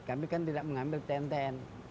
kami kan tidak mengambil tn tn